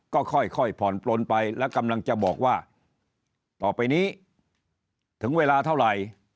ก็ค่อยผ่อนปลนไปแล้วกำลังจะบอกว่าต่อไปนี้ถึงเวลาเท่าไหร่